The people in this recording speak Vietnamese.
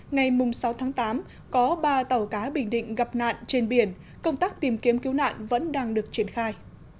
ngày sáu tháng tám có ba tàu cá bình định gặp nạn trên biển công tác tìm kiếm cứu nạn vẫn đang được triển khai